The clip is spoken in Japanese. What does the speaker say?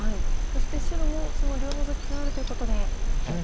そして白もその両ノゾキがあるということで。